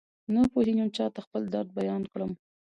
نپوهېږم چاته خپل درد بيان کړم.